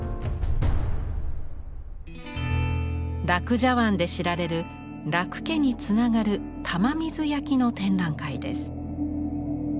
樂茶碗で知られる樂家につながる玉水焼の展覧会です。